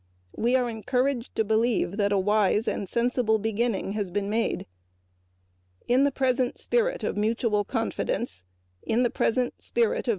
We are encouraged to believe that a wise and sensible beginning has been made. In the present spirit of mutual confidence and mutual encouragement we go forward.